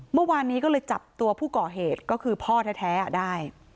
เมื่อวานนี้ก็เลยจับตัวผู้ก่อเหตุก็คือพ่อแท้ได้